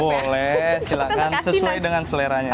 boleh silakan sesuai dengan seleranya